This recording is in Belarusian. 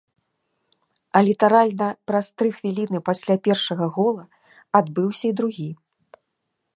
А літаральна праз тры хвіліны пасля першага гола адбыўся і другі.